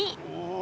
お。